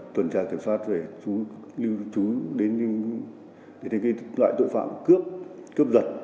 tuần tra kiểm soát để lưu trú đến những loại tội phạm cướp cướp giật